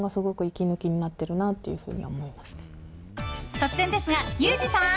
突然ですが、ユージさん！